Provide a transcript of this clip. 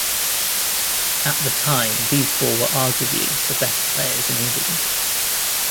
At the time, these four were arguably the best players in England.